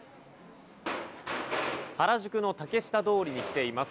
原宿の竹下通りに来ています。